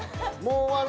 もう。